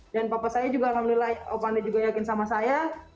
dan papa saya juga alhamdulillah opande juga yakin sama saya